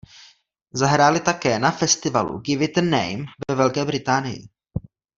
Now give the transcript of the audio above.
Zahráli také na festivalu Give it a name ve Velké Británii.